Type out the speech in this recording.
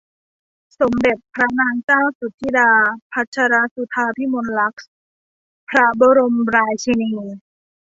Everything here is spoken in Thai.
สมเด็จพระนางเจ้าสุทิดา พัชรสุธาพิมลลักษณ พระบรมราชินี